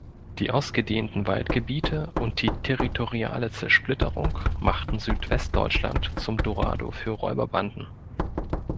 Die ausgedehnten Waldgebiete und die territoriale Zersplitterung machten Südwestdeutschland zum Dorado für Räuberbanden.